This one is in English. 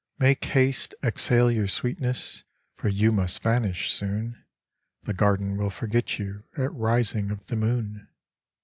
Make haste, exhale your sweetness, For you must vanish soon : The garden will forget you At rising of the moon.